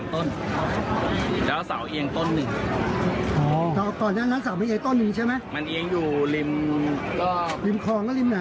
เมื่อเมื่อเมื่อ